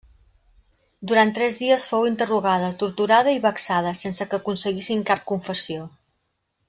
Durant tres dies fou interrogada, torturada i vexada, sense que aconseguissin cap confessió.